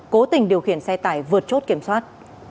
cố tình điều khiển xe tải vượt chốt kiểm soát